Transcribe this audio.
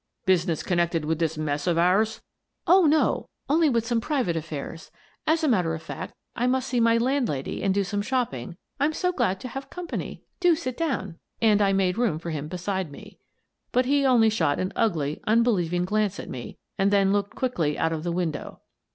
"Business connected with this mess of ours?" "Oh, no! Only some private affairs. As a matter of fact, I must see my landlady and do some shopping. I'm so glad to have company. Do sit down." Bromley Grows Mysterious 231 —————————————~ And I made room for him beside me. But he only shot an ugly, unbelieving glance at me and then looked quickly out of the window.